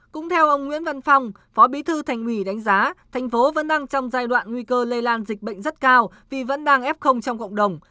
cũng theo ông nguyễn văn phong phó bí thư thành ủy đánh giá thành phố vẫn đang trong giai đoạn nguy cơ lây lan dịch bệnh rất cao vì vẫn đang f trong cộng đồng